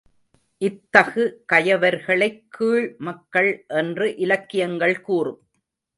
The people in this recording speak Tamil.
இத்தகு கயவர்களைக் கீழ் மக்கள் என்று இலக்கியங்கள் கூறும்.